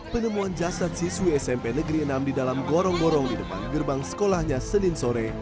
penemuan jasad siswi smp negeri enam di dalam gorong gorong di depan gerbang sekolahnya senin sore